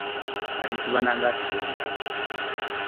Atitibana, ng’atuga omulalu.